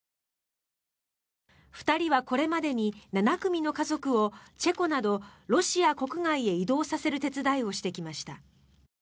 ２人はこれまでに７組の家族をチェコなどロシア国外へ移動させる手伝いをしてきました。